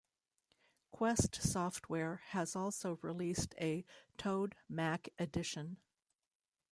Quest Software has also released a Toad Mac Edition.